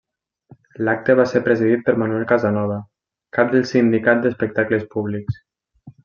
L'acte va ser presidit per Manuel Casanova, cap del Sindicat d'Espectacles Públics.